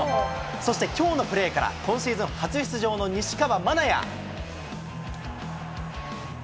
そしてきょうのプレーから、今シーズン初出場の西川愛也。